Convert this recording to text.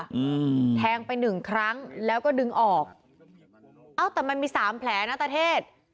อืมแทงไปหนึ่งครั้งแล้วก็ดึงออกเอ้าแต่มันมีสามแผลนะตะเทศ